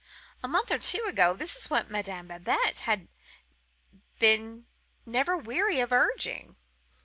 A month or two ago, this was what Madame Babette had been never weary of urging.